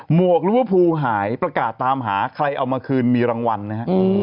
หวกลิเวอร์พูลหายประกาศตามหาใครเอามาคืนมีรางวัลนะฮะ